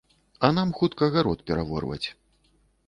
А нам хутка гарод пераворваць.